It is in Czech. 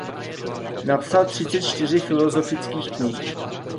Napsal třicet čtyři filosofických knih.